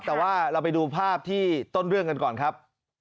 แต่ว่าเราไปดูภาพที่ต้นเรื่องกันก่อนครับ